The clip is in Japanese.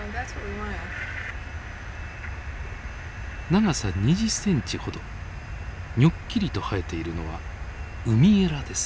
長さ２０センチほどにょっきりと生えているのはウミエラです。